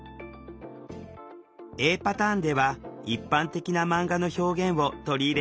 Ａパターンでは一般的なマンガの表現を取り入れているわ。